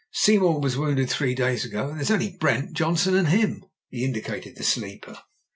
Seymour was wounded three days ago, and there's only Brent, Johnson, and him" — ^he indicated the sleeper.